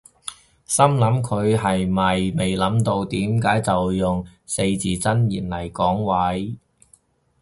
心諗佢係咪未諗到點講就用四字真言嚟攝位